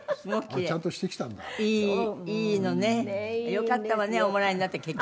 よかったわねおもらいになって結局はね。